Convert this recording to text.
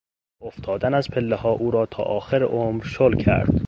افتادن از پلهها او را تا آخر عمر شل کرد.